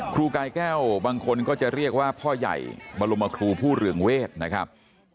ครูกายแก้วบางคนก็จะเรียกว่าพ่อใหญ่บรมครูผู้เรืองเวทนะครับ